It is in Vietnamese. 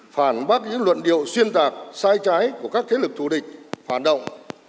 phản bác những luận điệu xuyên tạc sai trái của các thế lực thù địch phản động